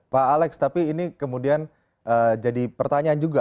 pak alex tapi ini kemudian jadi pertanyaan juga